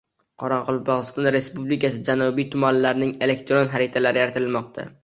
Qoraqalpog‘iston Respublikasi janubiy tumanlarining elektron xaritalari yaratilmoqda